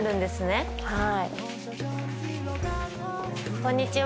こんにちは。